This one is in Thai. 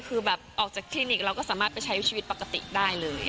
คือแบบออกจากคลินิกเราก็สามารถไปใช้ชีวิตปกติได้เลย